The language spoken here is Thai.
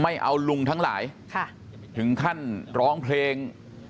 ไม่เอาลุงทั้งหลายถึงขั้นร้องเพลง